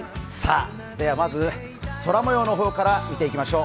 では、まず空もようの方から見ていきましょう。